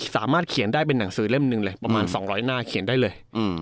สามารถเขียนได้เป็นหนังสือเล่มหนึ่งเลยประมาณ๒๐๐หน้าเขียนได้เลย